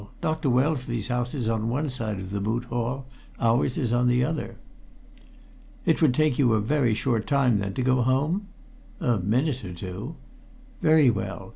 Dr. Wellesley's house is on one side of the Moot Hall; ours is on the other." "It would take you a very short time, then, to go home?" "A minute or two." "Very well.